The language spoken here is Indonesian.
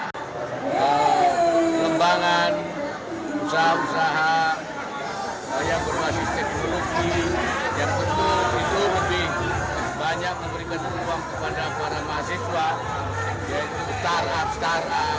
pengembangan usaha usaha yang berbasis teknologi yang betul itu lebih banyak memberikan peluang kepada para mahasiswa yaitu startup startup